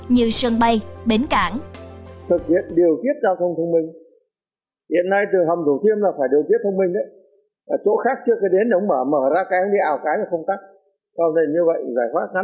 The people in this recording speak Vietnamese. như sân bay bến cảng